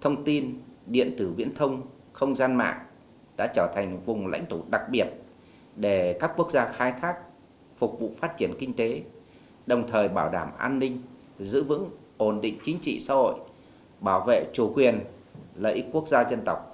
thông tin điện tử viễn thông không gian mạng đã trở thành vùng lãnh thổ đặc biệt để các quốc gia khai thác phục vụ phát triển kinh tế đồng thời bảo đảm an ninh giữ vững ổn định chính trị xã hội bảo vệ chủ quyền lợi ích quốc gia dân tộc